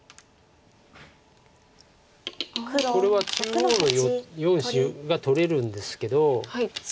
これは中央の４子が取れるんですけど。